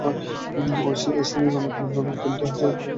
এই শ্রেণীর জন্য অন্তত তিনটি জাহাজ পরিকল্পনা করা হয়েছিল।